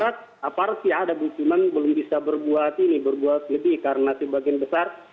aparat sih ada bucunan belum bisa berbuat ini berbuat lebih karena sebagian besar